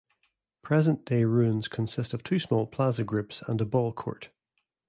Present-day ruins consist of two small plaza groups and a ballcourt.